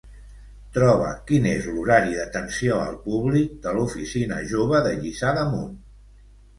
Troba quin és l'horari d'atenció al públic de l'oficina jove de Lliçà de Munt.